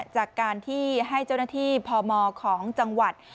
จากการที่ให้เจ้าหน้าที่พมของจังหวัด